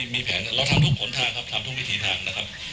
มีแผนเราทำทุกผลทางครับทำทุกวิถีทางนะครับ